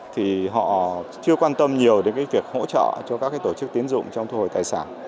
thì họ chưa quan tâm nhiều đến việc hỗ trợ cho các tổ chức tiến dụng trong thu hồi tài sản